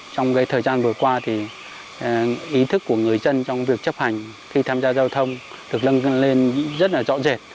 trong thời gian vừa qua thì ý thức của người dân trong việc chấp hành khi tham gia giao thông được nâng lên rất là rõ rệt